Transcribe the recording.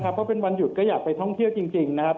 เพราะเป็นวันหยุดก็อยากไปท่องเที่ยวจริงนะครับ